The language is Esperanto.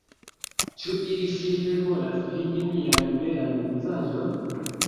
Ĉu ili simple volas vidi mian belan vizaĝon?